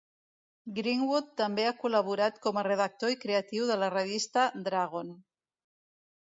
Greenwood també ha col·laborat com a redactor i creatiu a la revista "Dragon".